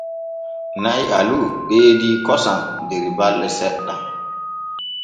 Na'i alu ɓeedi kosam der balde seɗɗen.